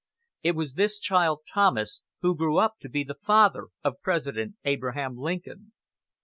It was this child Thomas who grew up to be the father of President Abraham Lincoln.